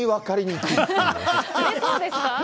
えー、そうですか？